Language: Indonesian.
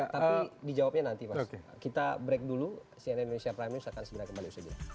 tapi dijawabnya nanti mas kita break dulu cnn indonesia prime news akan segera kembali saja